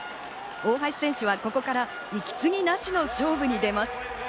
大橋選手はここから息継ぎなしの勝負に出ます。